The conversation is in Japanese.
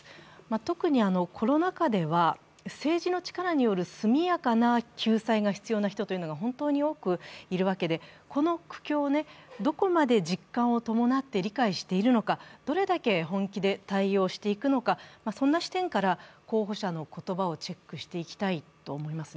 特にコロナ禍では政治の力による速やかな救済が必要な人が本当に多くいるわけで、この苦境をどこまで実感を伴って理解しているのかどれだけ本気で対応していくのか、そんな視点から候補者の言葉をチェックしていきたいと思います。